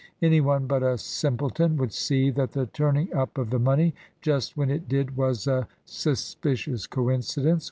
Any one but a simpleton would see that the turning up of the money just when it did was a suspicious coincidence.